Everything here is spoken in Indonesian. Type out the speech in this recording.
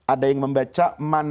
ada yang membaca